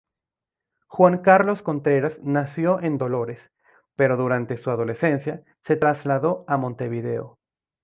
Juan Carlos Contreras nació en Dolores, pero durante su adolescencia se trasladó a Montevideo.